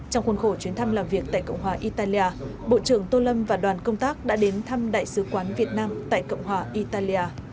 trong khuôn khổ chuyến thăm làm việc tại cộng hòa italia bộ trưởng tô lâm và đoàn công tác đã đến thăm đại sứ quán việt nam tại cộng hòa italia